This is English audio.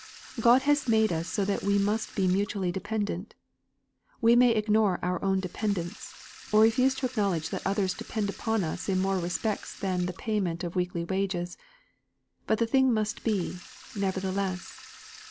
God has made us so that we must be mutually dependent. We may ignore our own dependence, or refuse to acknowledge that others depend upon us in more respects than the payment of weekly wages; but the thing must be, nevertheless.